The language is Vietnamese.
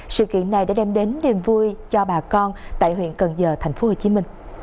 sự kiện này đã đem đến niềm vui cho bà con tại huyện cần giờ tp hcm